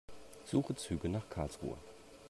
Suche Züge nach Karlsruhe.